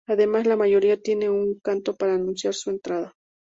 Además, la mayoría tienen un canto para anunciar su entrada.